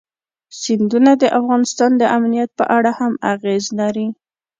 سیندونه د افغانستان د امنیت په اړه هم اغېز لري.